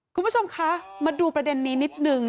คุณผู้ชมคะมาดูประเด็นนี้นิดนึง